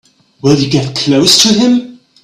Will you get close to him?